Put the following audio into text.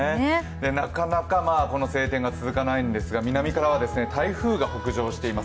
なかなかこの晴天が続かないんですが、南からは台風が北上しています。